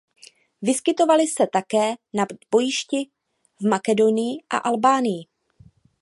Vyskytovaly se také nad bojišti v Makedonii a Albánii.